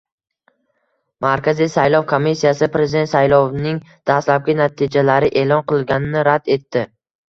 Markaziy saylov komissiyasi Prezident saylovining dastlabki natijalari e’lon qilinganini rad etdi